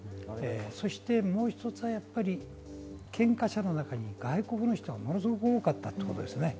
そしてもう一つはやっぱり、献花者の中に外国の人がものすごく多かったということですね。